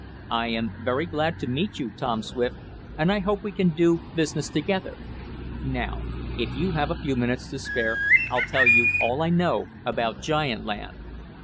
"I am very glad to meet you, Tom Swift, and I hope we can do business together. Now, if you have a few minutes to spare, I'll tell you all I know about giant land."